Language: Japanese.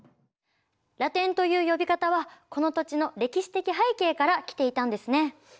ラテンという呼び方はこの土地の歴史的背景から来ていたんですね。